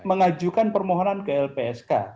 mengajukan permohonan ke lpsk